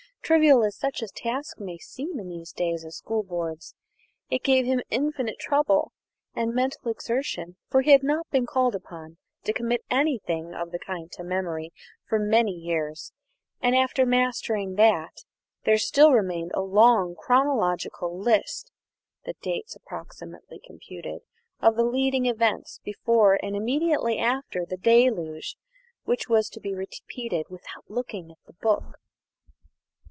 Trivial as such a task may seem in these days of School Boards, it gave him infinite trouble and mental exertion, for he had not been called upon to commit anything of the kind to memory for many years, and after mastering that, there still remained a long chronological list (the dates approximately computed) of the leading events before and immediately after the Deluge, which was to be repeated "without looking at the book."